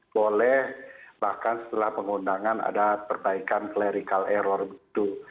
boleh bahkan setelah pengundangan ada perbaikan clerical error gitu